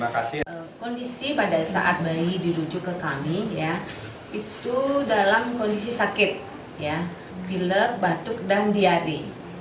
kondisi pada saat bayi dirujuk ke kami itu dalam kondisi sakit pilek batuk dan diare